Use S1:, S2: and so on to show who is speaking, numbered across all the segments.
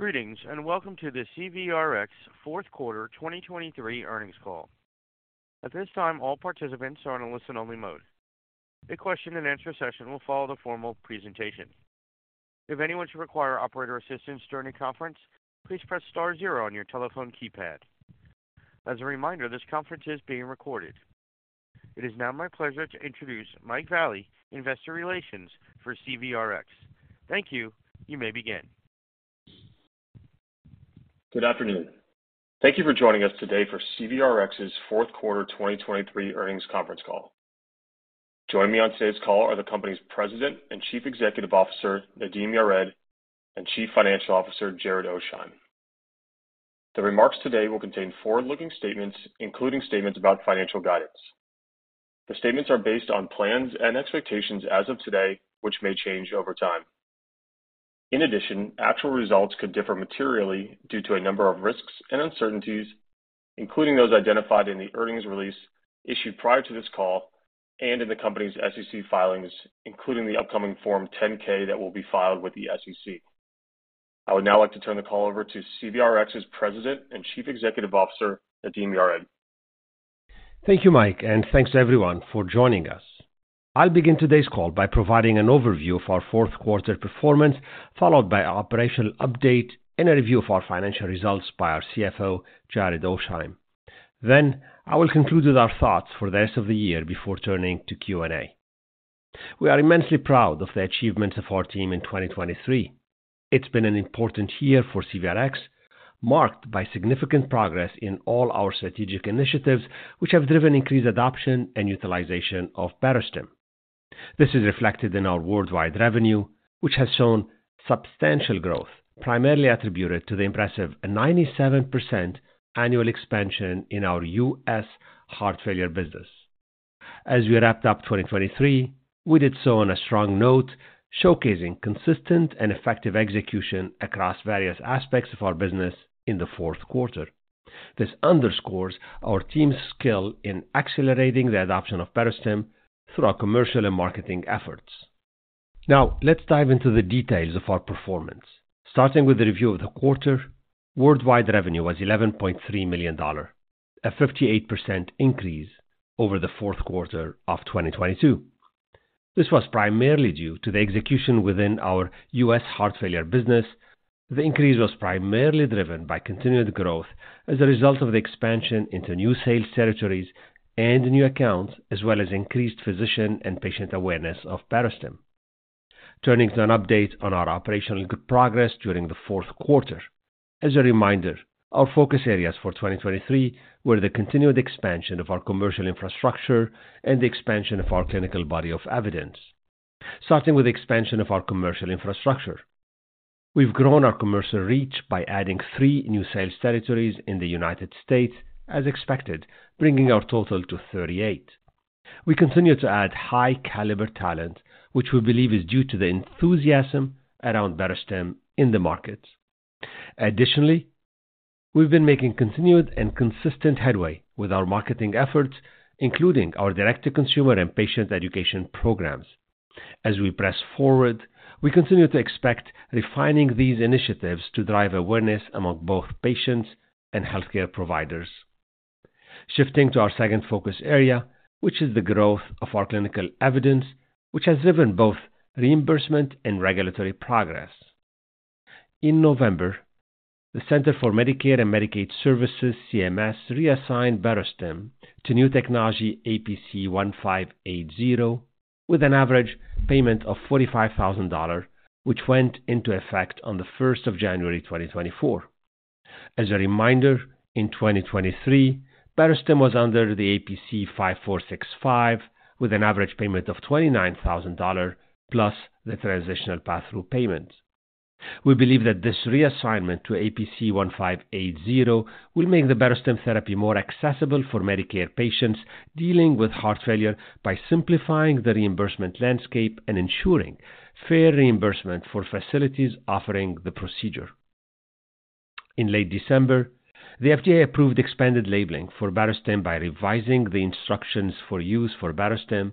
S1: Greetings, and welcome to the CVRx Fourth Quarter 2023 Earnings Call. At this time, all participants are in a listen-only mode. A question and answer session will follow the formal presentation. If anyone should require operator assistance during the conference, please press star zero on your telephone keypad. As a reminder, this conference is being recorded. It is now my pleasure to introduce Mike Vallie, Investor Relations for CVRx. Thank you. You may begin.
S2: Good afternoon. Thank you for joining us today for CVRx's Fourth Quarter 2023 Earnings Conference Call. Joining me on today's call are the company's President and Chief Executive Officer, Nadim Yared, and Chief Financial Officer, Jared Oasheim. The remarks today will contain forward-looking statements, including statements about financial guidance. The statements are based on plans and expectations as of today, which may change over time. In addition, actual results could differ materially due to a number of risks and uncertainties, including those identified in the earnings release issued prior to this call and in the company's SEC filings, including the upcoming Form 10-K that will be filed with the SEC. I would now like to turn the call over to CVRx's President and Chief Executive Officer, Nadim Yared.
S3: Thank you, Mike, and thanks to everyone for joining us. I'll begin today's call by providing an overview of our fourth quarter performance, followed by our operational update and a review of our financial results by our CFO, Jared Oasheim. Then, I will conclude with our thoughts for the rest of the year before turning to Q&A. We are immensely proud of the achievements of our team in 2023. It's been an important year for CVRx, marked by significant progress in all our strategic initiatives, which have driven increased adoption and utilization of Barostim. This is reflected in our worldwide revenue, which has shown substantial growth, primarily attributed to the impressive 97% annual expansion in our U.S. heart failure business. As we wrapped up 2023, we did so on a strong note, showcasing consistent and effective execution across various aspects of our business in the fourth quarter. This underscores our team's skill in accelerating the adoption of Barostim through our commercial and marketing efforts. Now, let's dive into the details of our performance. Starting with the review of the quarter, worldwide revenue was $11.3 million, a 58% increase over the fourth quarter of 2022. This was primarily due to the execution within our U.S. heart failure business. The increase was primarily driven by continued growth as a result of the expansion into new sales territories and new accounts, as well as increased physician and patient awareness of Barostim. Turning to an update on our operational progress during the fourth quarter. As a reminder, our focus areas for 2023 were the continued expansion of our commercial infrastructure and the expansion of our clinical body of evidence. Starting with the expansion of our commercial infrastructure, we've grown our commercial reach by adding three new sales territories in the United States, as expected, bringing our total to 38. We continue to add high-caliber talent, which we believe is due to the enthusiasm around Barostim in the markets. Additionally, we've been making continued and consistent headway with our marketing efforts, including our direct-to-consumer and patient education programs. As we press forward, we continue to expect refining these initiatives to drive awareness among both patients and healthcare providers. Shifting to our second focus area, which is the growth of our clinical evidence, which has driven both reimbursement and regulatory progress. In November, the Centers for Medicare and Medicaid Services, CMS, reassigned Barostim to New Technology APC 1580, with an average payment of $45,000, which went into effect on the first of January 2024. As a reminder, in 2023, Barostim was under the APC 5465, with an average payment of $29,000, plus the transitional pass-through payment. We believe that this reassignment to APC 1580 will make the Barostim therapy more accessible for Medicare patients dealing with heart failure by simplifying the reimbursement landscape and ensuring fair reimbursement for facilities offering the procedure. In late December, the FDA approved expanded labeling for Barostim by revising the instructions for use for Barostim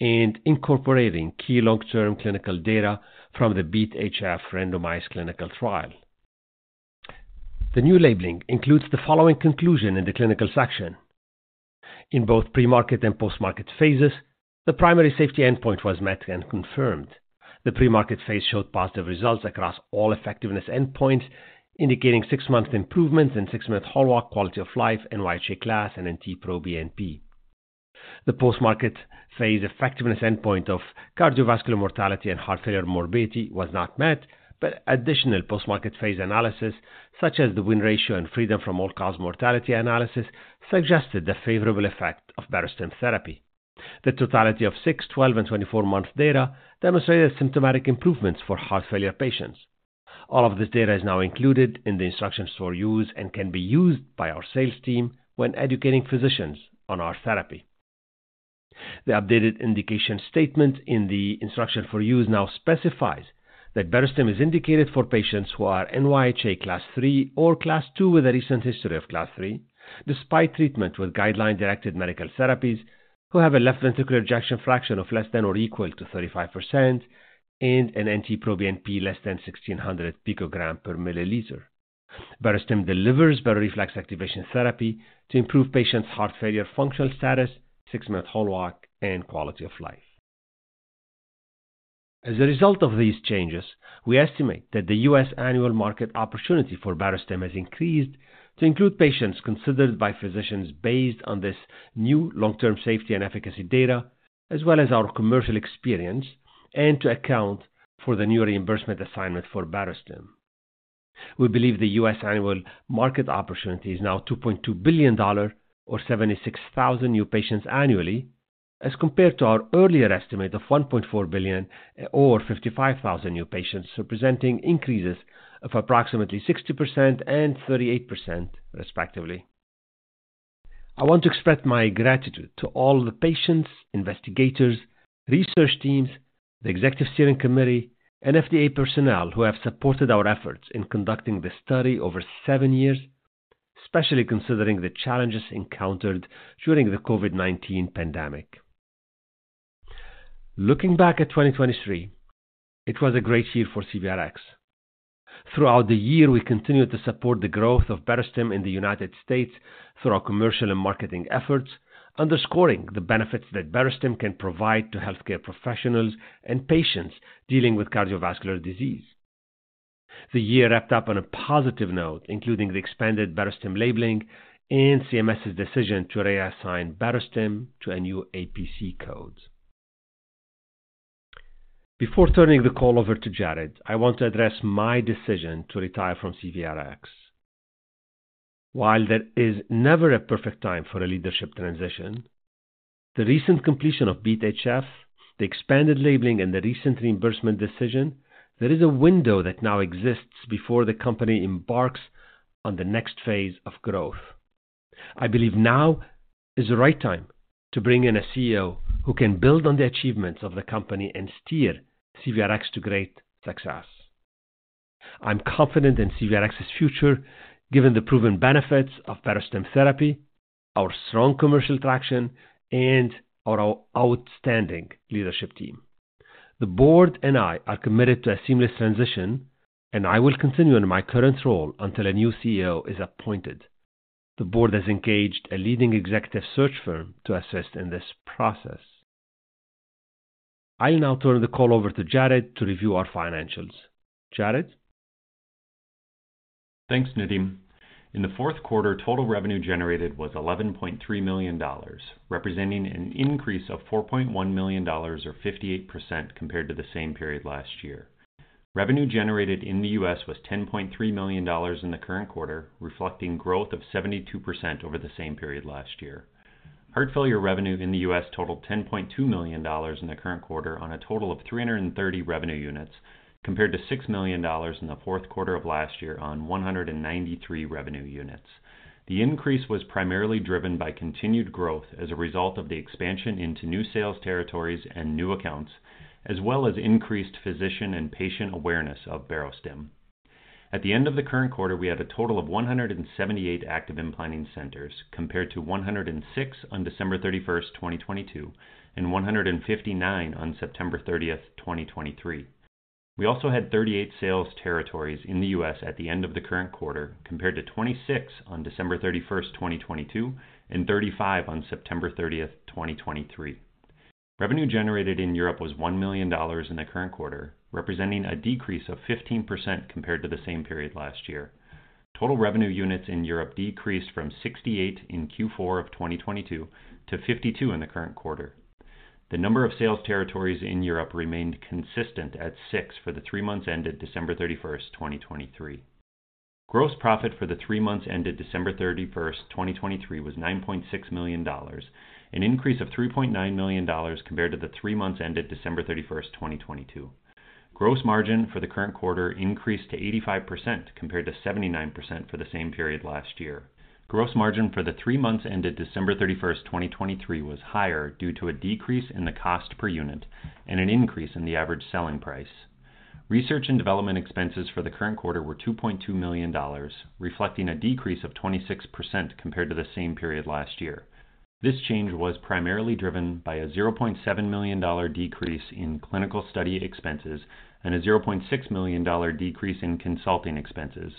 S3: and incorporating key long-term clinical data from the BeAT-HF randomized clinical trial. The new labeling includes the following conclusion in the clinical section: In both pre-market and post-market phases, the primary safety endpoint was met and confirmed. The pre-market phase showed positive results across all effectiveness endpoints, indicating six-month improvements in 6-minute hall walk, quality of life, NYHA class, and NT-proBNP. The post-market phase effectiveness endpoint of cardiovascular mortality and heart failure morbidity was not met, but additional post-market phase analysis, such as the win ratio and freedom from all-cause mortality analysis, suggested the favorable effect of Barostim therapy. The totality of six, 12, and 24 month data demonstrated symptomatic improvements for heart failure patients. All of this data is now included in the instructions for use and can be used by our sales team when educating physicians on our therapy. The updated indication statement in the Instructions for Use now specifies that Barostim is indicated for patients who are NYHA Class III or Class II with a recent history of Class III, despite treatment with guideline-directed medical therapies, who have a left ventricular ejection fraction of less than or equal to 35% and an NT-proBNP less than 1,600 picogram per milliliter.... Barostim delivers baroreflex activation therapy to improve patients' heart failure functional status, six-minute hall walk, and quality of life. As a result of these changes, we estimate that the U.S. annual market opportunity for Barostim has increased to include patients considered by physicians based on this new long-term safety and efficacy data, as well as our commercial experience, and to account for the new reimbursement assignment for Barostim. We believe the U.S. annual market opportunity is now $2.2 billion or 76,000 new patients annually, as compared to our earlier estimate of $1.4 billion or 55,000 new patients, representing increases of approximately 60% and 38% respectively. I want to express my gratitude to all the patients, investigators, research teams, the executive steering committee, and FDA personnel who have supported our efforts in conducting this study over seven years, especially considering the challenges encountered during the COVID-19 pandemic. Looking back at 2023, it was a great year for CVRx. Throughout the year, we continued to support the growth of Barostim in the United States through our commercial and marketing efforts, underscoring the benefits that Barostim can provide to healthcare professionals and patients dealing with cardiovascular disease. The year wrapped up on a positive note, including the expanded Barostim labeling and CMS's decision to reassign Barostim to a new APC code. Before turning the call over to Jared, I want to address my decision to retire from CVRx. While there is never a perfect time for a leadership transition, the recent completion of BeAT-HF, the expanded labeling, and the recent reimbursement decision, there is a window that now exists before the company embarks on the next phase of growth. I believe now is the right time to bring in a CEO who can build on the achievements of the company and steer CVRx to great success. I'm confident in CVRx's future, given the proven benefits of Barostim therapy, our strong commercial traction, and our outstanding leadership team. The board and I are committed to a seamless transition, and I will continue in my current role until a new CEO is appointed. The board has engaged a leading executive search firm to assist in this process. I'll now turn the call over to Jared to review our financials. Jared?
S4: Thanks, Nadim. In the fourth quarter, total revenue generated was $11.3 million, representing an increase of $4.1 million or 58% compared to the same period last year. Revenue generated in the U.S. was $10.3 million in the current quarter, reflecting growth of 72% over the same period last year. Heart failure revenue in the U.S. totaled $10.2 million in the current quarter on a total of 330 revenue units, compared to $6 million in the fourth quarter of last year on 193 revenue units. The increase was primarily driven by continued growth as a result of the expansion into new sales territories and new accounts, as well as increased physician and patient awareness of Barostim. At the end of the current quarter, we had a total of 178 active implanting centers, compared to 106 on December 31st, 2022, and 159 on September 30th, 2023. We also had 38 sales territories in the U.S. at the end of the current quarter, compared to 26 on December 31st, 2022, and 35 on September 30th, 2023. Revenue generated in Europe was $1 million in the current quarter, representing a decrease of 15% compared to the same period last year. Total revenue units in Europe decreased from 68 in Q4 of 2022 to 52 in the current quarter. The number of sales territories in Europe remained consistent at six for the three months ended December 31st, 2023. Gross profit for the three months ended December 31st, 2023, was $9.6 million, an increase of $3.9 million compared to the three months ended December 31st, 2022. Gross margin for the current quarter increased to 85%, compared to 79% for the same period last year. Gross margin for the three months ended December 31st, 2023, was higher due to a decrease in the cost per unit and an increase in the average selling price. Research and development expenses for the current quarter were $2.2 million, reflecting a decrease of 26% compared to the same period last year. This change was primarily driven by a $0.7 million decrease in clinical study expenses and a $0.6 million decrease in consulting expenses,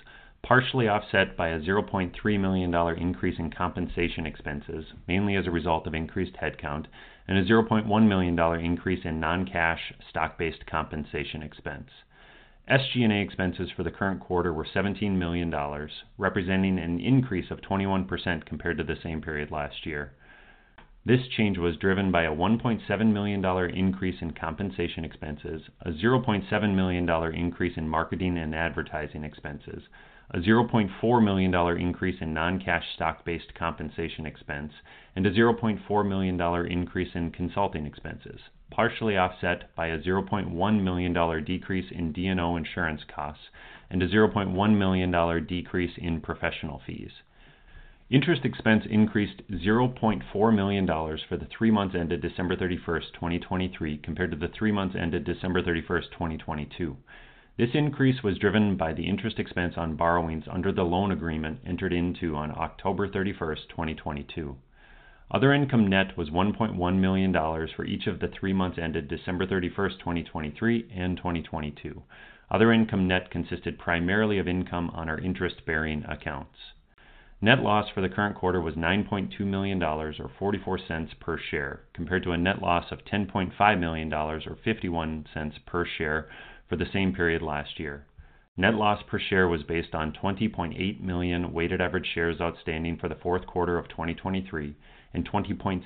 S4: partially offset by a $0.3 million increase in compensation expenses, mainly as a result of increased headcount, and a $0.1 million increase in non-cash stock-based compensation expense. SG&A expenses for the current quarter were $17 million, representing an increase of 21% compared to the same period last year. This change was driven by a $1.7 million increase in compensation expenses, a $0.7 million increase in marketing and advertising expenses, a $0.4 million increase in non-cash stock-based compensation expense, and a $0.4 million increase in consulting expenses, partially offset by a $0.1 million decrease in D&O insurance costs and a $0.1 million decrease in professional fees. Interest expense increased $0.4 million for the three months ended December 31st, 2023, compared to the three months ended December 31st, 2022. This increase was driven by the interest expense on borrowings under the loan agreement entered into on October 31st, 2022. Other income net was $1.1 million for each of the three months ended December 31st, 2023, and 2022. Other income net consisted primarily of income on our interest-bearing accounts. Net loss for the current quarter was $9.2 million, or $0.44 per share, compared to a net loss of $10.5 million, or $0.51 per share for the same period last year. Net loss per share was based on 20.8 million weighted average shares outstanding for the fourth quarter of 2023, and 20.6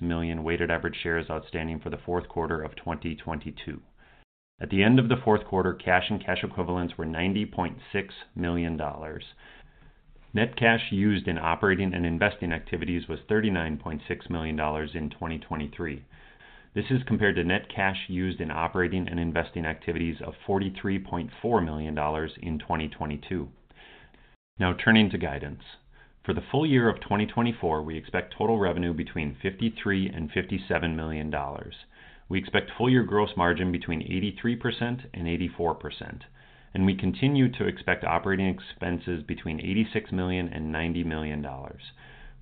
S4: million weighted average shares outstanding for the fourth quarter of 2022. At the end of the fourth quarter, cash and cash equivalents were $90.6 million. Net cash used in operating and investing activities was $39.6 million in 2023. This is compared to net cash used in operating and investing activities of $43.4 million in 2022. Now, turning to guidance. For the full year of 2024, we expect total revenue between $53 million and $57 million. We expect full year gross margin between 83% and 84%, and we continue to expect operating expenses between $86 million and $90 million.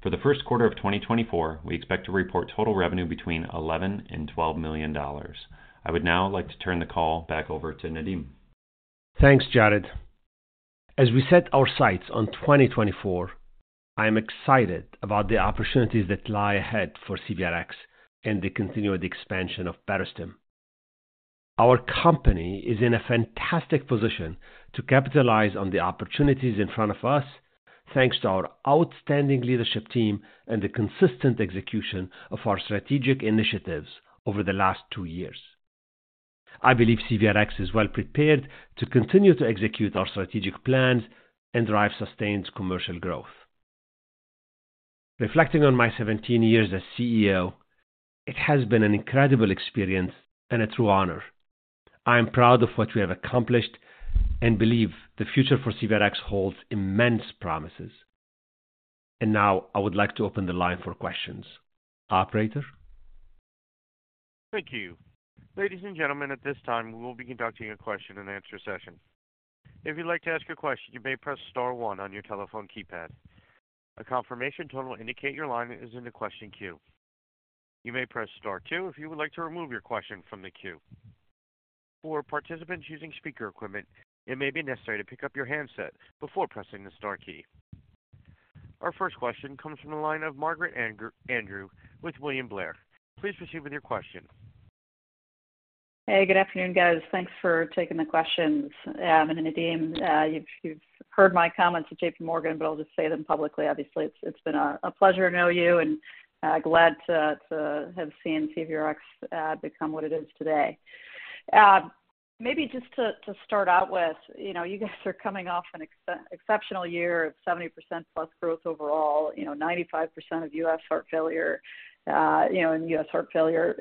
S4: For the first quarter of 2024, we expect to report total revenue between $11 million and $12 million. I would now like to turn the call back over to Nadim.
S3: Thanks, Jared. As we set our sights on 2024, I'm excited about the opportunities that lie ahead for CVRx and the continued expansion of Barostim. Our company is in a fantastic position to capitalize on the opportunities in front of us, thanks to our outstanding leadership team and the consistent execution of our strategic initiatives over the last two years. I believe CVRx is well prepared to continue to execute our strategic plans and drive sustained commercial growth. Reflecting on my 17 years as CEO, it has been an incredible experience and a true honor. I am proud of what we have accomplished and believe the future for CVRx holds immense promises. Now I would like to open the line for questions. Operator?
S1: Thank you. Ladies and gentlemen, at this time, we will be conducting a question-and-answer session. If you'd like to ask a question, you may press star one on your telephone keypad. A confirmation tone will indicate your line is in the question queue. You may press star two if you would like to remove your question from the queue. For participants using speaker equipment, it may be necessary to pick up your handset before pressing the star key. Our first question comes from the line of Margaret Andrew with William Blair. Please proceed with your question.
S5: Hey, good afternoon, guys. Thanks for taking the questions. And Nadim, you've heard my comments at JP Morgan, but I'll just say them publicly. Obviously, it's been a pleasure to know you, and glad to have seen CVRx become what it is today. Maybe just to start out with, you know, you guys are coming off an exceptional year of 70%+ growth overall, you know, 95% of U.S. heart failure, you know, in U.S. heart failure.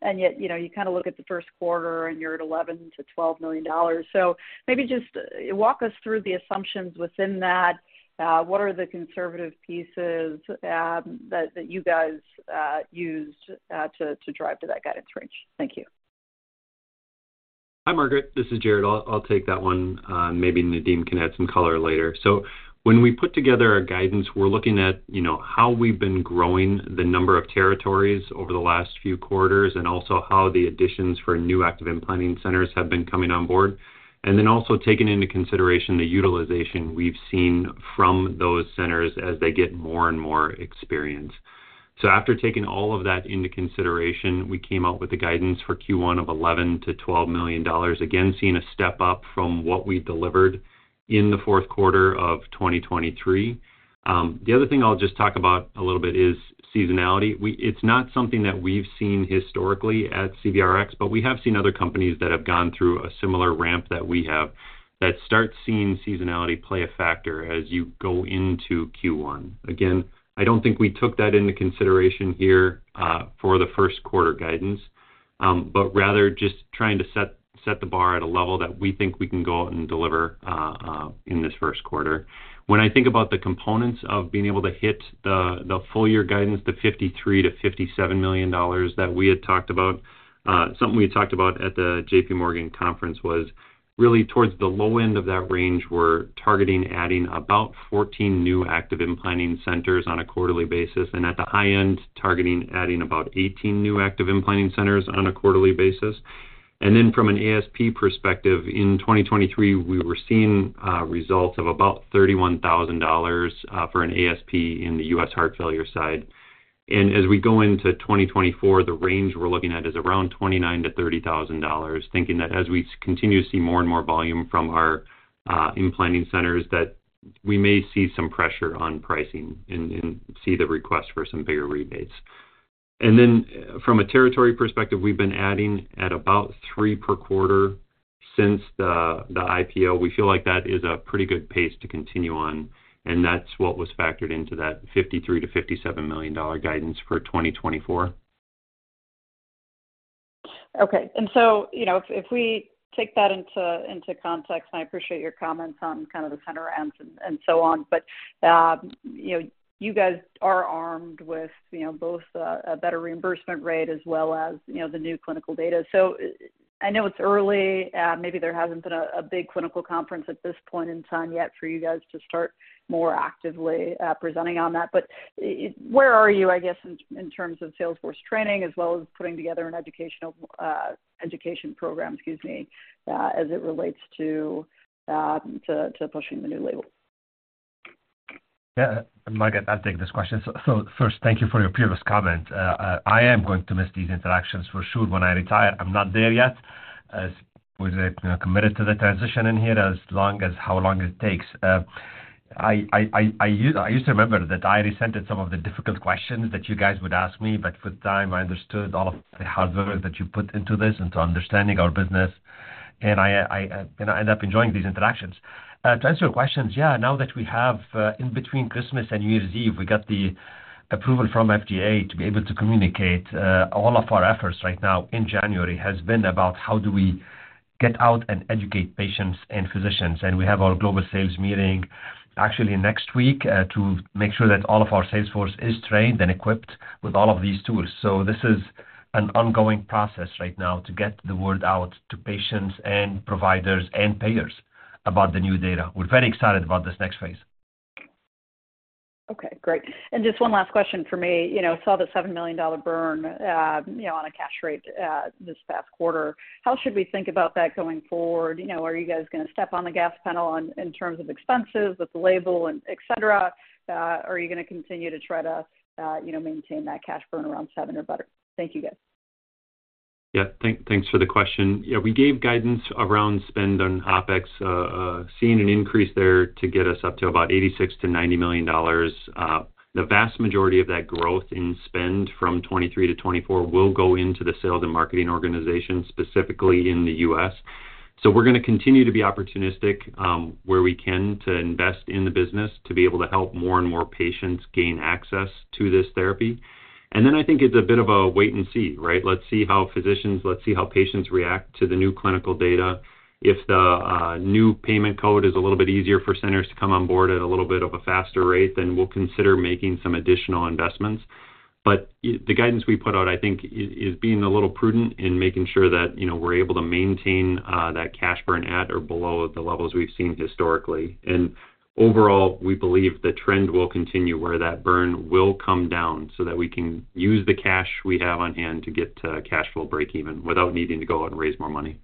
S5: And yet, you know, you kind of look at the first quarter, and you're at $11 million-$12 million. So maybe just walk us through the assumptions within that. What are the conservative pieces that you guys used to drive to that guidance range? Thank you.
S4: Hi, Margaret. This is Jared. I'll, I'll take that one. Maybe Nadim can add some color later. So when we put together our guidance, we're looking at, you know, how we've been growing the number of territories over the last few quarters, and also how the additions for new active implanting centers have been coming on board, and then also taking into consideration the utilization we've seen from those centers as they get more and more experienced. So after taking all of that into consideration, we came out with the guidance for Q1 of $11 million-$12 million. Again, seeing a step up from what we delivered in the fourth quarter of 2023. The other thing I'll just talk about a little bit is seasonality. We... It's not something that we've seen historically at CVRx, but we have seen other companies that have gone through a similar ramp that we have, that start seeing seasonality play a factor as you go into Q1. Again, I don't think we took that into consideration here, for the first quarter guidance, but rather just trying to set the bar at a level that we think we can go out and deliver, in this first quarter. When I think about the components of being able to hit the full year guidance, the $53 million-$57 million that we had talked about, something we talked about at the JP Morgan conference was really towards the low end of that range, we're targeting adding about 14 new active implanting centers on a quarterly basis, and at the high end, targeting adding about 18 new active implanting centers on a quarterly basis. And then from an ASP perspective, in 2023, we were seeing results of about $31,000 for an ASP in the U.S. heart failure side. And as we go into 2024, the range we're looking at is around $29,000-$30,000, thinking that as we continue to see more and more volume from our implanting centers, that we may see some pressure on pricing and see the request for some bigger rebates. And then from a territory perspective, we've been adding at about three per quarter since the IPO. We feel like that is a pretty good pace to continue on, and that's what was factored into that $53 million-$57 million guidance for 2024.
S5: Okay. So, you know, if we take that into context, and I appreciate your comments on kind of the ramps and so on. But, you know, you guys are armed with, you know, both a better reimbursement rate as well as, you know, the new clinical data. So I know it's early, maybe there hasn't been a big clinical conference at this point in time yet for you guys to start more actively presenting on that. But where are you, I guess, in terms of sales force training, as well as putting together an educational education program, excuse me, as it relates to pushing the new label? ...
S3: Yeah, Margaret, I'll take this question. So first, thank you for your previous comment. I am going to miss these interactions for sure when I retire. I'm not there yet, as we're, you know, committed to the transition in here, as long as how long it takes. I used to remember that I resented some of the difficult questions that you guys would ask me, but with time, I understood all of the hard work that you put into this, into understanding our business. And I, you know, I end up enjoying these interactions. To answer your questions, yeah, now that we have... In between Christmas and New Year's Eve, we got the approval from FDA to be able to communicate. All of our efforts right now in January has been about how do we get out and educate patients and physicians. And we have our global sales meeting actually next week to make sure that all of our sales force is trained and equipped with all of these tools. So this is an ongoing process right now to get the word out to patients, and providers, and payers about the new data. We're very excited about this next phase.
S5: Okay, great. And just one last question for me. You know, saw the $7 million burn, you know, on a cash rate, this past quarter. How should we think about that going forward? You know, are you guys gonna step on the gas pedal in terms of expenses with the label and et cetera? Are you gonna continue to try to, you know, maintain that cash burn around $7 million or better? Thank you, guys.
S4: Yeah. Thank, thanks for the question. Yeah, we gave guidance around spend on OpEx, seeing an increase there to get us up to about $86 million-$90 million. The vast majority of that growth in spend from 2023 to 2024 will go into the sales and marketing organization, specifically in the US. So we're gonna continue to be opportunistic, where we can to invest in the business to be able to help more and more patients gain access to this therapy. And then I think it's a bit of a wait and see, right? Let's see how physicians, let's see how patients react to the new clinical data. If the new payment code is a little bit easier for centers to come on board at a little bit of a faster rate, then we'll consider making some additional investments. But the guidance we put out, I think, is being a little prudent in making sure that, you know, we're able to maintain that cash burn at or below the levels we've seen historically. Overall, we believe the trend will continue where that burn will come down, so that we can use the cash we have on hand to get to cash flow breakeven without needing to go out and raise more money.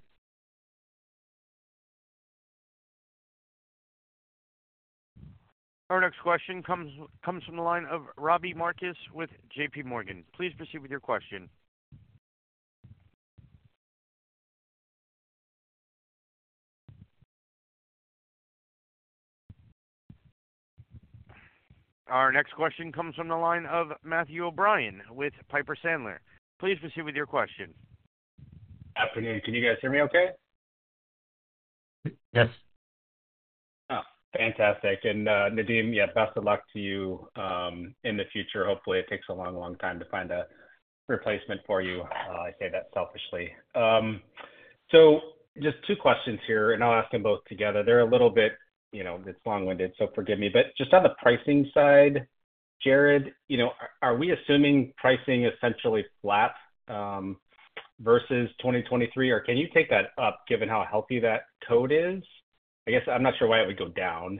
S1: Our next question comes from the line of Robbie Marcus with JP Morgan. Please proceed with your question. Our next question comes from the line of Matthew O'Brien with Piper Sandler. Please proceed with your question.
S6: Afternoon. Can you guys hear me okay?
S4: Yes.
S6: Oh, fantastic. And, Nadim, yeah, best of luck to you in the future. Hopefully, it takes a long, long time to find a replacement for you. I say that selfishly. So just two questions here, and I'll ask them both together. They're a little bit, you know, it's long-winded, so forgive me. But just on the pricing side, Jared, you know, are, are we assuming pricing essentially flat versus 2023, or can you take that up given how healthy that code is? I guess I'm not sure why it would go down.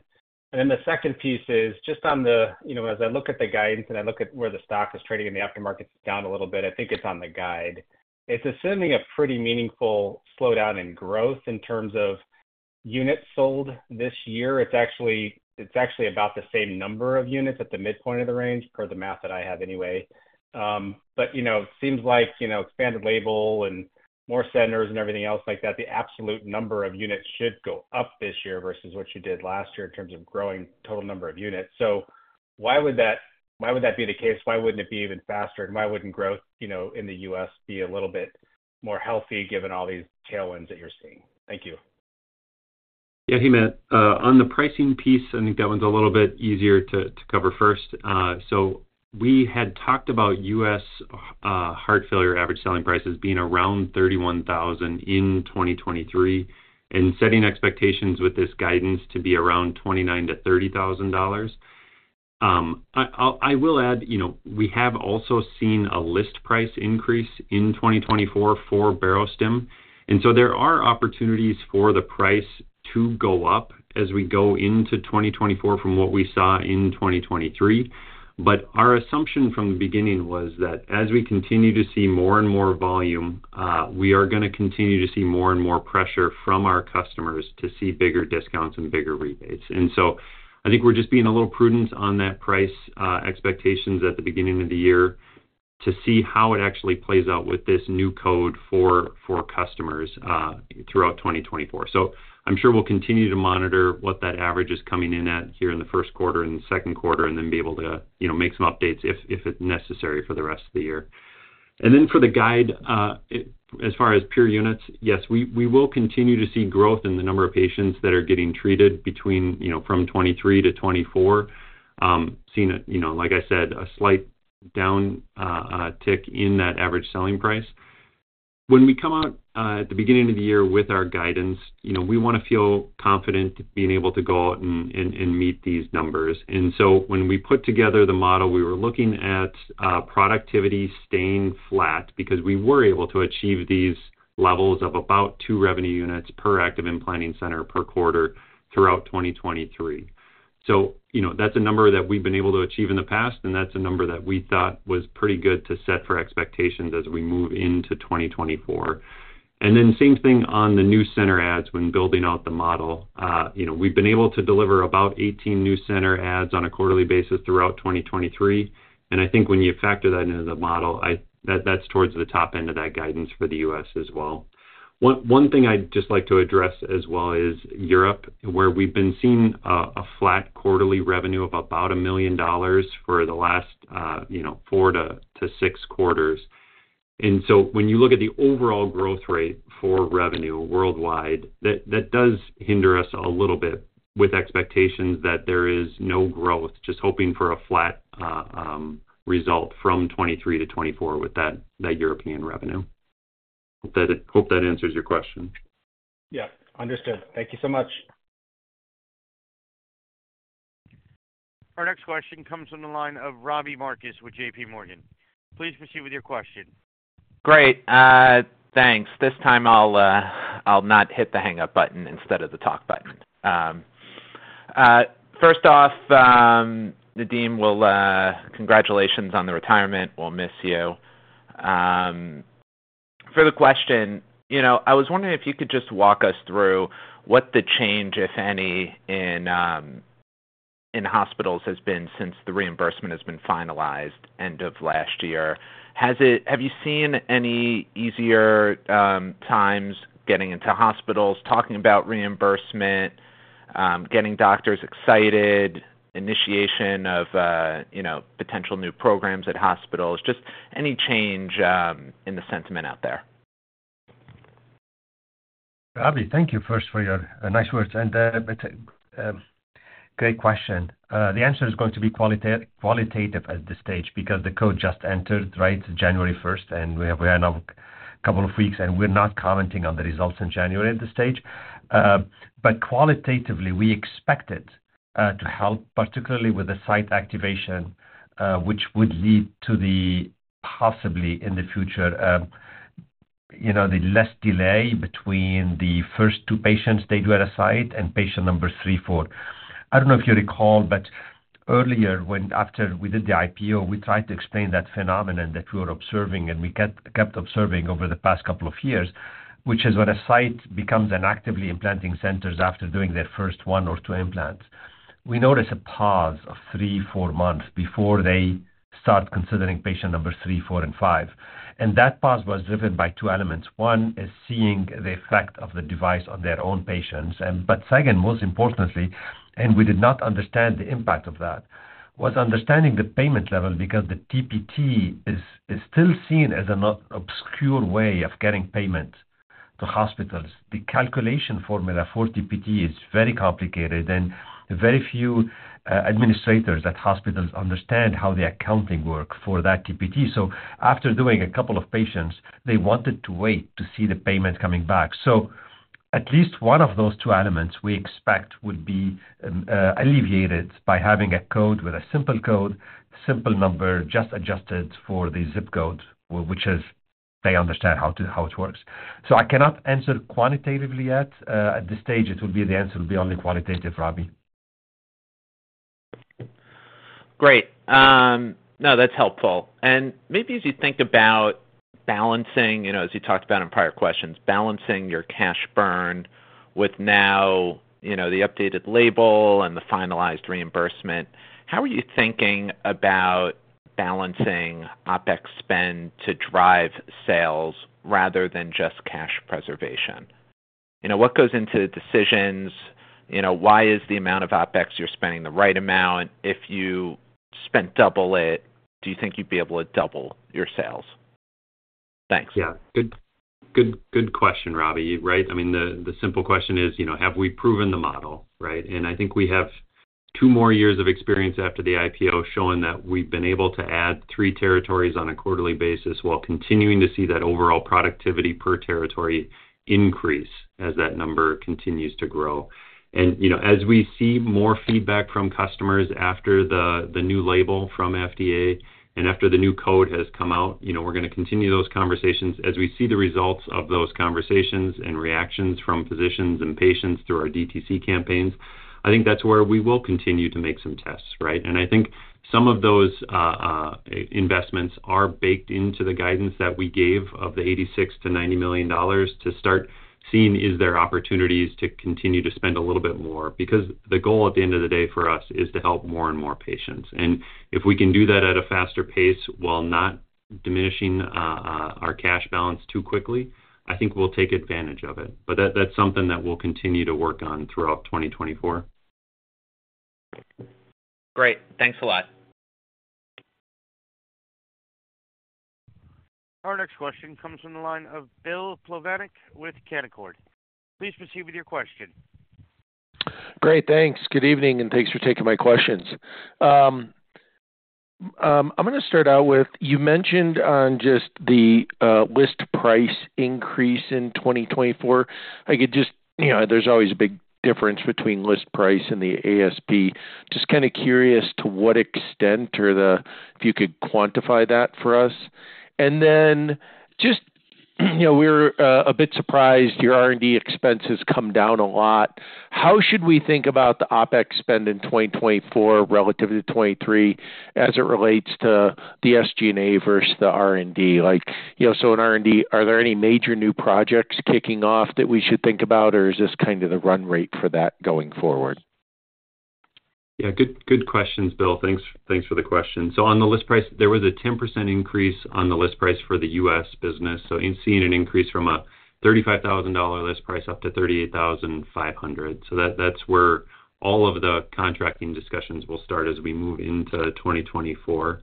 S6: And then the second piece is just on the... You know, as I look at the guidance and I look at where the stock is trading in the aftermarket, it's down a little bit. I think it's on the guide. It's assuming a pretty meaningful slowdown in growth in terms of units sold this year. It's actually, it's actually about the same number of units at the midpoint of the range, per the math that I have anyway. But, you know, seems like, you know, expanded label and more centers and everything else like that, the absolute number of units should go up this year versus what you did last year in terms of growing total number of units. So why would that, why would that be the case? Why wouldn't it be even faster, and why wouldn't growth, you know, in the U.S. be a little bit more healthy, given all these tailwinds that you're seeing? Thank you.
S4: Yeah, hey, Matt. On the pricing piece, I think that one's a little bit easier to cover first. So we had talked about U.S. heart failure average selling prices being around $31,000 in 2023, and setting expectations with this guidance to be around $29,000-$30,000. I will add, you know, we have also seen a list price increase in 2024 for Barostim, and so there are opportunities for the price to go up as we go into 2024 from what we saw in 2023. But our assumption from the beginning was that as we continue to see more and more volume, we are gonna continue to see more and more pressure from our customers to see bigger discounts and bigger rebates. So I think we're just being a little prudent on that price expectations at the beginning of the year to see how it actually plays out with this new code for customers throughout 2024. So I'm sure we'll continue to monitor what that average is coming in at here in the first quarter and the second quarter, and then be able to, you know, make some updates if it's necessary for the rest of the year. Then for the guide, as far as pure units, yes, we will continue to see growth in the number of patients that are getting treated between, you know, from 2023 to 2024. Seeing a, you know, like I said, a slight downtick in that average selling price. When we come out at the beginning of the year with our guidance, you know, we want to feel confident being able to go out and meet these numbers. So when we put together the model, we were looking at productivity staying flat because we were able to achieve these levels of about two revenue units per active implanting center per quarter throughout 2023. So, you know, that's a number that we've been able to achieve in the past, and that's a number that we thought was pretty good to set for expectations as we move into 2024. Then same thing on the new center adds when building out the model. You know, we've been able to deliver about 18 new center adds on a quarterly basis throughout 2023, and I think when you factor that into the model, that's towards the top end of that guidance for the US as well. One thing I'd just like to address as well is Europe, where we've been seeing a flat quarterly revenue of about $1 million for the last, you know, four to six quarters. And so when you look at the overall growth rate for revenue worldwide, that does hinder us a little bit with expectations that there is no growth, just hoping for a flat result from 2023 to 2024 with that European revenue. Hope that answers your question.
S6: Yeah. Understood. Thank you so much.
S1: Our next question comes from the line of Robbie Marcus with JP Morgan. Please proceed with your question.
S7: Great. Thanks. This time I'll, I'll not hit the hang up button instead of the talk button. First off, Nadim, well, congratulations on the retirement. We'll miss you. For the question, you know, I was wondering if you could just walk us through what the change, if any, in hospitals has been since the reimbursement has been finalized end of last year. Has it-- have you seen any easier times getting into hospitals, talking about reimbursement, getting doctors excited, initiation of, you know, potential new programs at hospitals? Just any change in the sentiment out there.
S3: Robbie, thank you first for your nice words and, but great question. The answer is going to be qualitative at this stage because the code just entered, right, January first, and we are now a couple of weeks, and we're not commenting on the results in January at this stage. But qualitatively, we expect it to help, particularly with the site activation, which would lead to the possibly in the future, you know, the less delay between the first two patients they do at a site and patient number three, four. I don't know if you recall, but earlier, when after we did the IPO, we tried to explain that phenomenon that we were observing, and we kept observing over the past couple of years, which is when a site becomes an actively implanting centers after doing their first one or two implants, we notice a pause of three, four months before they start considering patient number three, four, and five. That pause was driven by two elements. One is seeing the effect of the device on their own patients. But second, most importantly, and we did not understand the impact of that, was understanding the payment level because the TPT is still seen as an obscure way of getting payment to hospitals. The calculation formula for TPT is very complicated, and very few administrators at hospitals understand how the accounting work for that TPT. So after doing a couple of patients, they wanted to wait to see the payment coming back. So at least one of those two elements we expect would be alleviated by having a code with a simple code, simple number, just adjusted for the zip code, which is they understand how it works. So I cannot answer quantitatively yet. At this stage, it will be the answer, will be only qualitative, Robbie.
S7: Great. Now that's helpful. And maybe as you think about balancing, you know, as you talked about in prior questions, balancing your cash burn with now, you know, the updated label and the finalized reimbursement, how are you thinking about balancing OpEx spend to drive sales rather than just cash preservation? You know, what goes into decisions? You know, why is the amount of OpEx you're spending the right amount? If you spent double it, do you think you'd be able to double your sales? Thanks.
S4: Yeah. Good, good, good question, Robbie. Right. I mean, the simple question is, you know, have we proven the model, right? And I think we have two more years of experience after the IPO, showing that we've been able to add three territories on a quarterly basis while continuing to see that overall productivity per territory increase as that number continues to grow. And, you know, as we see more feedback from customers after the new label from FDA and after the new code has come out, you know, we're gonna continue those conversations. As we see the results of those conversations and reactions from physicians and patients through our DTC campaigns, I think that's where we will continue to make some tests, right? I think some of those investments are baked into the guidance that we gave of the $86 million-$90 million to start seeing, is there opportunities to continue to spend a little bit more? Because the goal at the end of the day for us is to help more and more patients. If we can do that at a faster pace while not diminishing our cash balance too quickly, I think we'll take advantage of it. But that, that's something that we'll continue to work on throughout 2024.
S7: Great. Thanks a lot.
S1: Our next question comes from the line of Bill Plovanic with Canaccord. Please proceed with your question.
S8: Great, thanks. Good evening, and thanks for taking my questions. I'm gonna start out with, you mentioned on just the list price increase in 2024. I could just... You know, there's always a big difference between list price and the ASP. Just kinda curious to what extent or the, if you could quantify that for us. And then just, you know, we're a bit surprised your R&D expenses come down a lot. How should we think about the OpEx spend in 2024 relative to 2023 as it relates to the SG&A versus the R&D? Like, you know, so in R&D, are there any major new projects kicking off that we should think about, or is this kind of the run rate for that going forward? ...
S4: Yeah, good, good questions, Bill. Thanks, thanks for the question. So on the list price, there was a 10% increase on the list price for the U.S. business. So in seeing an increase from a $35,000 list price up to $38,500. So that, that's where all of the contracting discussions will start as we move into 2024.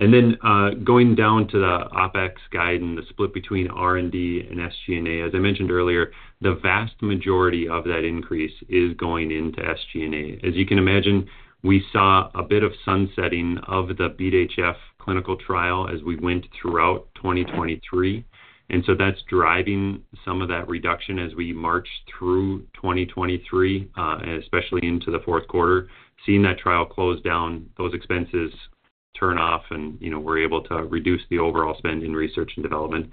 S4: And then, going down to the OpEx guide and the split between R&D and SG&A, as I mentioned earlier, the vast majority of that increase is going into SG&A. As you can imagine, we saw a bit of sunsetting of the BeAT-HF clinical trial as we went throughout 2023, and so that's driving some of that reduction as we march through 2023, and especially into the fourth quarter. Seeing that trial close down, those expenses turn off, and, you know, we're able to reduce the overall spend in research and development.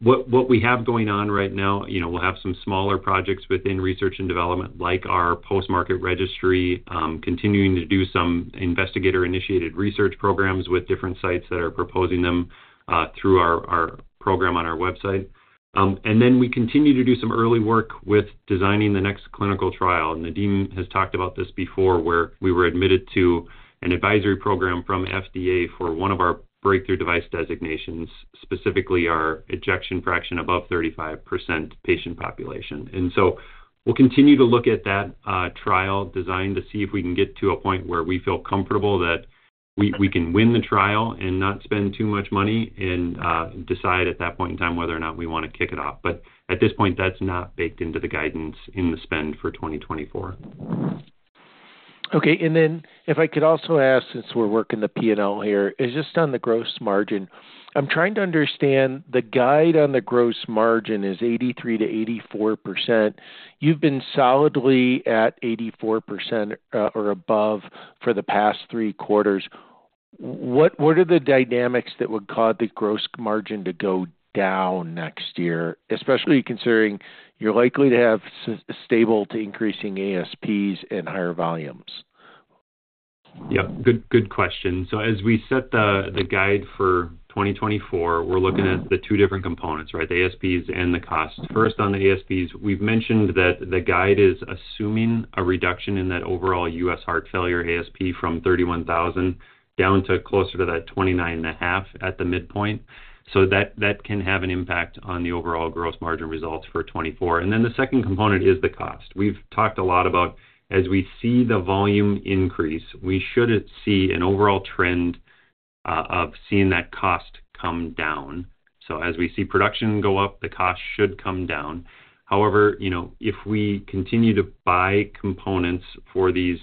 S4: What we have going on right now, you know, we'll have some smaller projects within research and development, like our post-market registry, continuing to do some investigator-initiated research programs with different sites that are proposing them, through our program on our website. And then we continue to do some early work with designing the next clinical trial. Nadim has talked about this before, where we were admitted to an advisory program from FDA for one of our breakthrough device designations, specifically our ejection fraction above 35% patient population. And so we'll continue to look at that trial design to see if we can get to a point where we feel comfortable that we, we can win the trial and not spend too much money, and decide at that point in time whether or not we want to kick it off. But at this point, that's not baked into the guidance in the spend for 2024.
S8: Okay. And then if I could also ask, since we're working the P&L here, is just on the gross margin. I'm trying to understand, the guide on the gross margin is 83%-84%. You've been solidly at 84%, or above for the past three quarters. What are the dynamics that would cause the gross margin to go down next year, especially considering you're likely to have stable to increasing ASPs and higher volumes?
S4: Yeah, good, good question. So as we set the guide for 2024, we're looking at the two different components, right? The ASPs and the costs. First, on the ASPs, we've mentioned that the guide is assuming a reduction in that overall U.S. heart failure ASP from $31,000 down to closer to that $29,500 at the midpoint. So that can have an impact on the overall gross margin results for 2024. And then the second component is the cost. We've talked a lot about as we see the volume increase, we shouldn't see an overall trend of seeing that cost come down. So as we see production go up, the cost should come down. However, you know, if we continue to buy components for these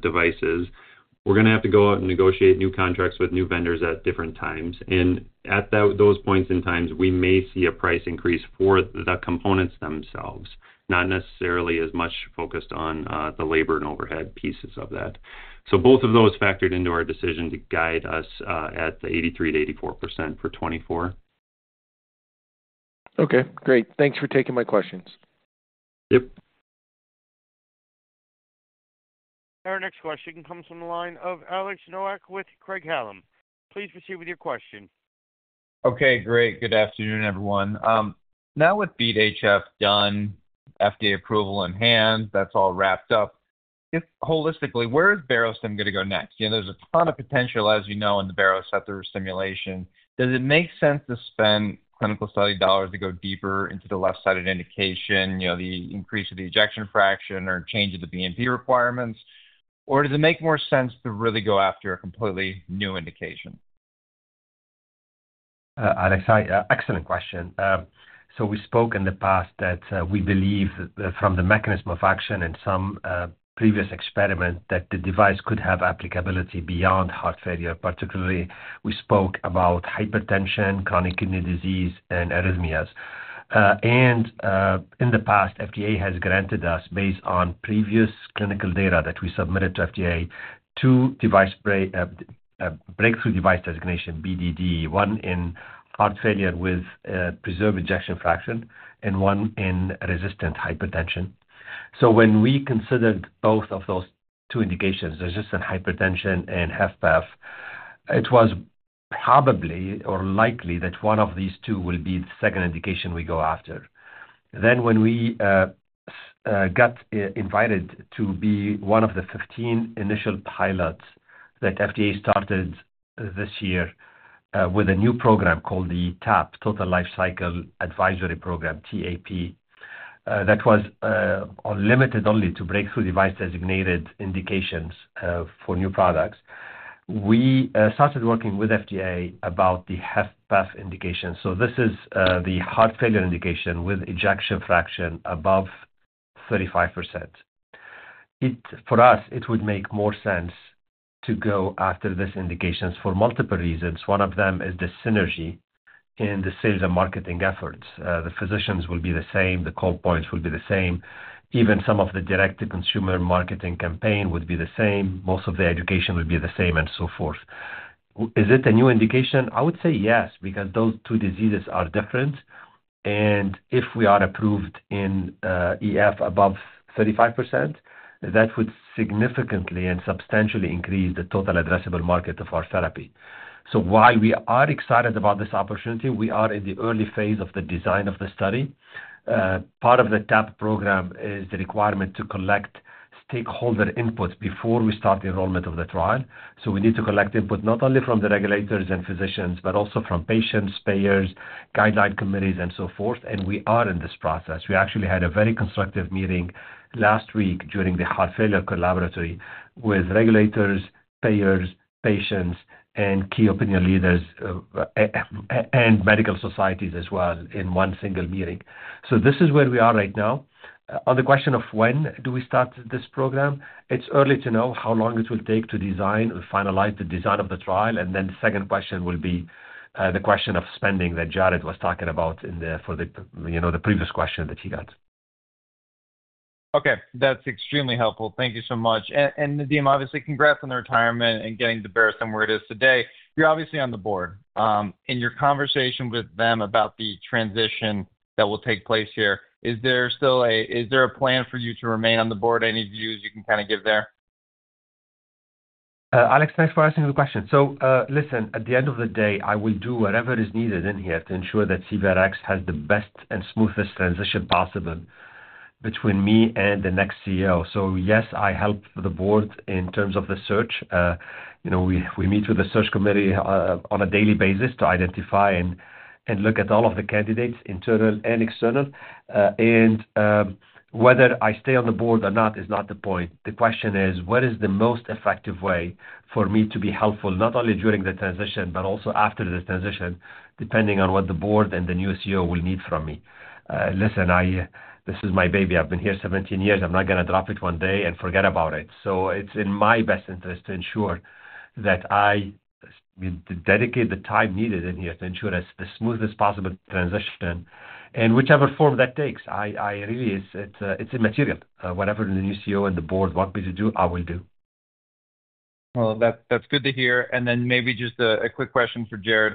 S4: devices, we're going to have to go out and negotiate new contracts with new vendors at different times. And at that, those points in times, we may see a price increase for the components themselves, not necessarily as much focused on the labor and overhead pieces of that. So both of those factored into our decision to guide us at the 83%-84% for 2024.
S8: Okay, great. Thanks for taking my questions.
S4: Yep.
S1: Our next question comes from the line of Alex Nowak with Craig-Hallum. Please proceed with your question.
S9: Okay, great. Good afternoon, everyone. Now with BeAT-HF done, FDA approval in hand, that's all wrapped up. Just holistically, where is Barostim going to go next? You know, there's a ton of potential, as you know, in the baroreflex stimulation. Does it make sense to spend clinical study dollars to go deeper into the left-sided indication, you know, the increase of the ejection fraction or change of the BNP requirements? Or does it make more sense to really go after a completely new indication?
S3: Alex, excellent question. So we spoke in the past that we believe that from the mechanism of action and some previous experiments, that the device could have applicability beyond heart failure. Particularly, we spoke about hypertension, chronic kidney disease, and arrhythmias. And in the past, FDA has granted us, based on previous clinical data that we submitted to FDA, two breakthrough device designation, BDD, one in heart failure with preserved ejection fraction and one in resistant hypertension. So when we considered both of those two indications, resistant hypertension and HFpEF, it was probably or likely that one of these two will be the second indication we go after. Then when we got invited to be one of the 15 initial pilots that FDA started this year with a new program called the TAP, Total Lifecycle Advisory Program, TAP, that was limited only to breakthrough device designated indications for new products. We started working with FDA about the HFpEF indication. So this is the heart failure indication with ejection fraction above 35%. For us, it would make more sense to go after these indications for multiple reasons. One of them is the synergy in the sales and marketing efforts. The physicians will be the same, the call points will be the same. Even some of the direct-to-consumer marketing campaign would be the same, most of the education would be the same, and so forth. Is it a new indication? I would say yes, because those two diseases are different, and if we are approved in EF above 35%, that would significantly and substantially increase the total addressable market of our therapy. So while we are excited about this opportunity, we are in the early phase of the design of the study. Part of the TAP program is the requirement to collect stakeholder input before we start the enrollment of the trial. So we need to collect input not only from the regulators and physicians, but also from patients, payers, guideline committees, and so forth. And we are in this process. We actually had a very constructive meeting last week during the Heart Failure Collaboratory with regulators, payers, patients, and key opinion leaders and medical societies as well, in one single meeting. So this is where we are right now. On the question of when do we start this program, it's early to know how long it will take to design or finalize the design of the trial, and then the second question will be the question of spending that Jared was talking about in there for the, you know, the previous question that he got.
S9: Okay, that's extremely helpful. Thank you so much. And Nadim, obviously, congrats on the retirement and getting the Barostim where it is today. You're obviously on the board. In your conversation with them about the transition that will take place here, is there still a plan for you to remain on the board? Any views you can kind of give there?
S3: Alex, thanks for asking the question. So, listen, at the end of the day, I will do whatever is needed in here to ensure that CVRx has the best and smoothest transition possible between me and the next CEO. So yes, I help the board in terms of the search. You know, we meet with the search committee on a daily basis to identify and look at all of the candidates, internal and external. And whether I stay on the board or not is not the point. The question is, what is the most effective way for me to be helpful, not only during the transition, but also after this transition, depending on what the board and the new CEO will need from me? Listen, this is my baby. I've been here 17 years. I'm not going to drop it one day and forget about it. So it's in my best interest to ensure that I dedicate the time needed in here to ensure it's the smoothest possible transition. And whichever form that takes, I really, it's immaterial. Whatever the new CEO and the board want me to do, I will do.
S9: Well, that's, that's good to hear. And then maybe just a quick question for Jared.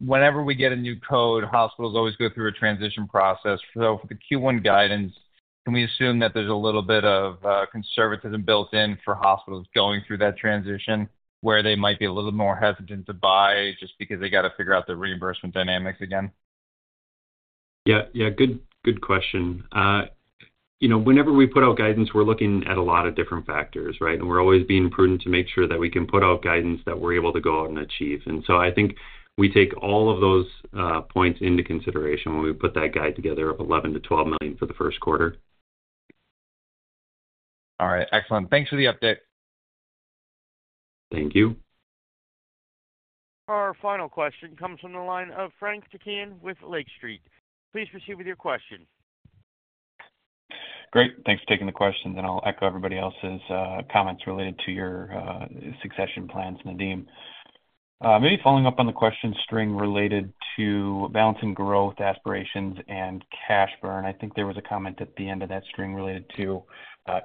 S9: Whenever we get a new code, hospitals always go through a transition process. So for the Q1 guidance, can we assume that there's a little bit of conservatism built in for hospitals going through that transition, where they might be a little more hesitant to buy just because they got to figure out the reimbursement dynamics again?
S4: Yeah, yeah. Good, good question. You know, whenever we put out guidance, we're looking at a lot of different factors, right? And we're always being prudent to make sure that we can put out guidance that we're able to go out and achieve. And so I think we take all of those points into consideration when we put that guide together of $11 million-$12 million for the first quarter.
S9: All right. Excellent. Thanks for the update.
S4: Thank you.
S1: Our final question comes from the line of Frank Takkinen with Lake Street. Please proceed with your question.
S10: Great. Thanks for taking the question, and I'll echo everybody else's comments related to your succession plans, Nadim. Maybe following up on the question string related to balancing growth, aspirations, and cash burn. I think there was a comment at the end of that string related to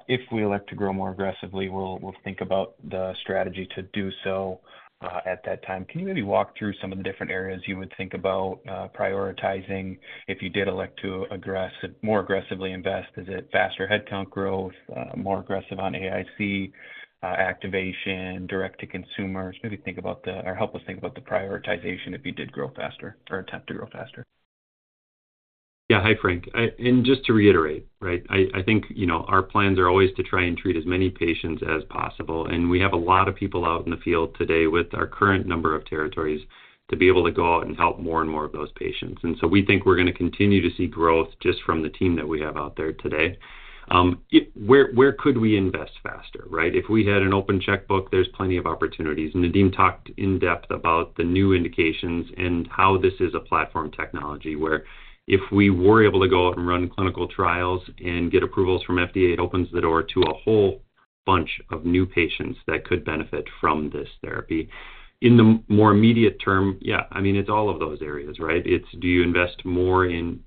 S10: if we elect to grow more aggressively, we'll think about the strategy to do so at that time. Can you maybe walk through some of the different areas you would think about prioritizing if you did elect to more aggressively invest? Is it faster headcount growth, more aggressive on AIC activation, direct to consumers? Maybe think about the or help us think about the prioritization if you did grow faster or attempt to grow faster.
S4: Yeah. Hi, Frank. And just to reiterate, right, I think, you know, our plans are always to try and treat as many patients as possible, and we have a lot of people out in the field today with our current number of territories to be able to go out and help more and more of those patients. And so we think we're going to continue to see growth just from the team that we have out there today. Where could we invest faster, right? If we had an open checkbook, there's plenty of opportunities. Nadim talked in-depth about the new indications and how this is a platform technology, where if we were able to go out and run clinical trials and get approvals from FDA, it opens the door to a whole bunch of new patients that could benefit from this therapy. In the more immediate term, yeah, I mean, it's all of those areas, right? It's do you invest more in,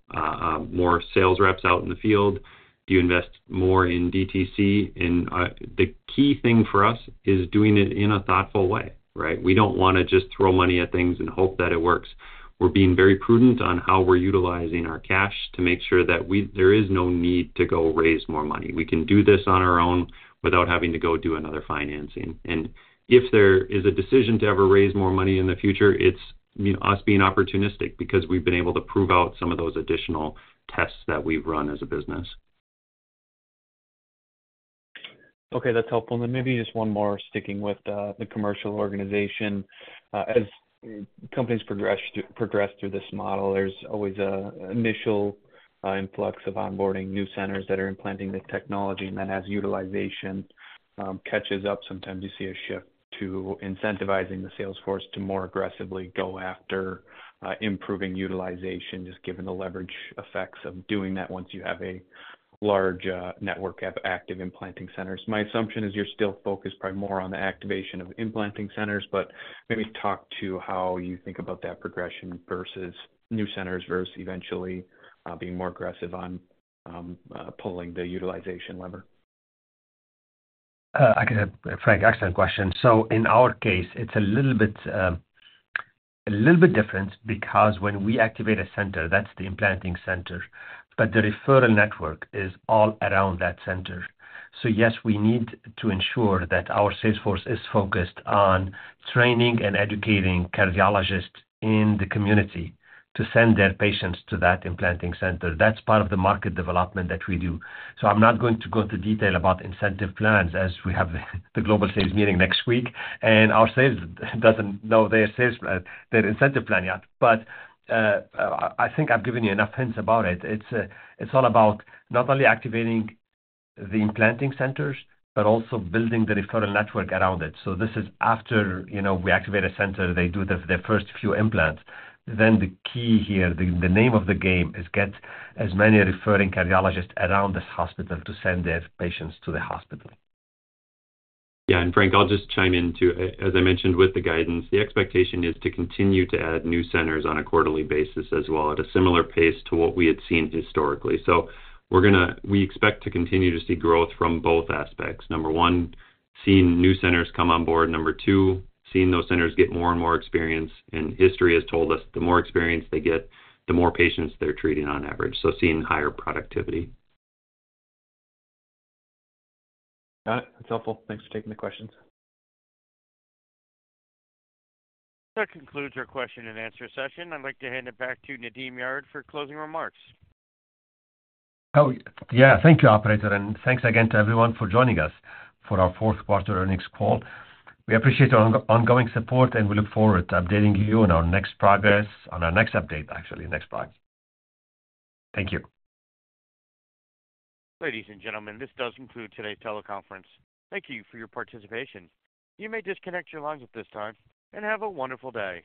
S4: more sales reps out in the field? Do you invest more in DTC? And, the key thing for us is doing it in a thoughtful way, right? We don't want to just throw money at things and hope that it works. We're being very prudent on how we're utilizing our cash to make sure that there is no need to go raise more money. We can do this on our own without having to go do another financing. And if there is a decision to ever raise more money in the future, it's, you know, us being opportunistic because we've been able to prove out some of those additional tests that we've run as a business.
S10: Okay, that's helpful. And then maybe just one more sticking with the commercial organization. As companies progress through this model, there's always an initial influx of onboarding new centers that are implanting the technology, and then as utilization catches up, sometimes you see a shift to incentivizing the sales force to more aggressively go after improving utilization, just given the leverage effects of doing that once you have a large network of active implanting centers. My assumption is you're still focused probably more on the activation of implanting centers, but maybe talk to how you think about that progression versus new centers versus eventually being more aggressive on pulling the utilization lever.
S3: I can, Frank, excellent question. So in our case, it's a little bit, a little bit different because when we activate a center, that's the implanting center, but the referral network is all around that center. So yes, we need to ensure that our sales force is focused on training and educating cardiologists in the community to send their patients to that implanting center. That's part of the market development that we do. So I'm not going to go into detail about incentive plans as we have the global sales meeting next week, and our sales doesn't know their sales plan, their incentive plan yet. But, I think I've given you enough hints about it. It's all about not only activating the implanting centers but also building the referral network around it. So this is after, you know, we activate a center, they do their first few implants. Then the key here, the name of the game is get as many referring cardiologists around this hospital to send their patients to the hospital.
S4: Yeah, and Frank, I'll just chime in, too. As I mentioned with the guidance, the expectation is to continue to add new centers on a quarterly basis as well, at a similar pace to what we had seen historically. So we're gonna, we expect to continue to see growth from both aspects. Number one, seeing new centers come on board. Number two, seeing those centers get more and more experience. And history has told us the more experience they get, the more patients they're treating on average, so seeing higher productivity.
S10: Got it. That's helpful. Thanks for taking the questions.
S1: That concludes our question and answer session. I'd like to hand it back to Nadim Yared for closing remarks.
S3: Oh, yeah. Thank you, operator, and thanks again to everyone for joining us for our fourth quarter earnings call. We appreciate your ongoing support, and we look forward to updating you on our next progress, on our next update, actually, next slide. Thank you.
S1: Ladies and gentlemen, this does conclude today's teleconference. Thank you for your participation. You may disconnect your lines at this time, and have a wonderful day.